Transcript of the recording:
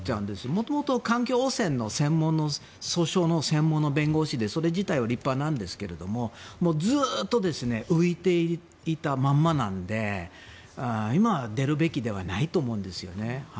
元々環境汚染の訴訟の専門の弁護士でそれ自体は立派ですがずっと浮いていたままなので今、出るべきではないと思うんですよね。